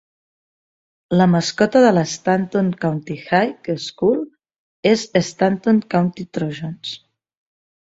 La mascota de la Stanton County High School és Stanton County Trojans.